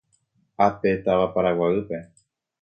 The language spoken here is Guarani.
Ápe táva Paraguaýpe.